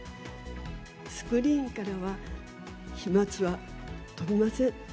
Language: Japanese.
スクリーンからは飛まつは飛びません。